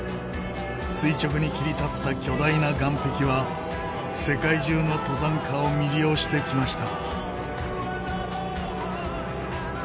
垂直に切り立った巨大な岩壁は世界中の登山家を魅了してきました。